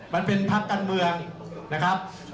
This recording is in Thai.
มันเป็นภาพกันเมืองนะครับ